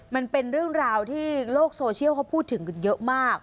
มันเป็นเรื่องราวที่โลกโซเชียลเขาพูดถึงกันเยอะมาก